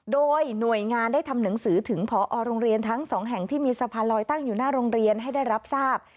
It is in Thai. โดยหน่วยงานได้ทำหนังสือถึงพอโรงเรียนทั้งสองแห่งที่มีสะพานลอยตั้งอยู่หน้าโรงเรียนให้ได้รับทราบ